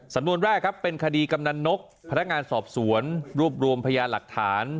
สำนวนแรกครับเป็นคดีกำนันนกพนักงานสอบสวนรวบรวมพยานหลักฐาน